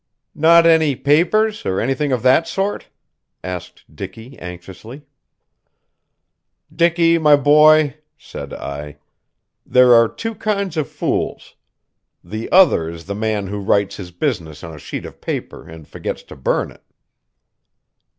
"Not any papers, or anything of that sort?" asked Dicky anxiously. "Dicky, my boy," said I; "there are two kinds of fools. The other is the man who writes his business on a sheet of paper and forgets to burn it."